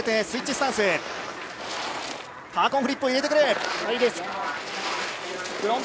スイッチスタンスでハーカンフリップ。